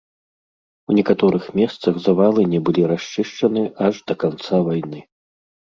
У некаторых месцах завалы не былі расчышчаны аж да канца вайны.